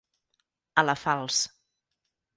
A la falç.